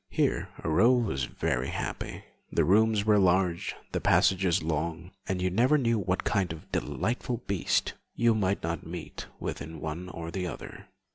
Here Aurore was very happy. The rooms were large, the passages long, and you never knew what kind of delightful beast you might not meet with in one or the other.